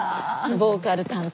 ボーカル担当？